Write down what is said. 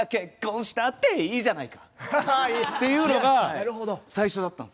っていうのが最初だったんですよ。